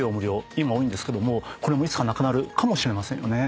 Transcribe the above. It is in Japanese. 今多いんですけどもいつかなくなるかもしれません。